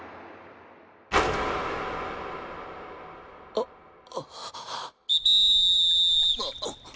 あっああ。